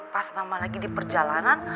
pas nama lagi di perjalanan